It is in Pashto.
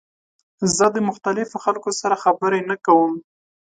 زه د مختلفو خلکو سره خبرې نه کوم.